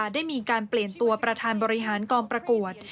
ได้มีการเปลี่ยนตัวประธานบริหารกองประกวด